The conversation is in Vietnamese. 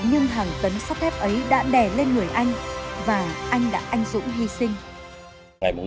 nhưng hàng tấn sắt thép ấy đã đè lên người anh